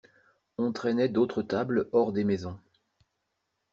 On traînait d'autres tables hors des maisons.